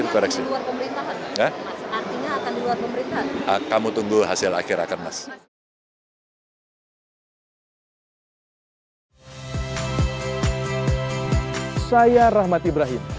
berarti yang nanti akan di luar pemerintahan